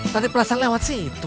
tadi perasaan lewat situ